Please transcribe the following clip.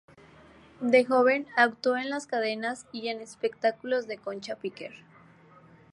De joven actuó en Las Cadenas y en espectáculos de "Concha Piquer".